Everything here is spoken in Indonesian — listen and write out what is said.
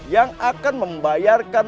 yang akan membayarkan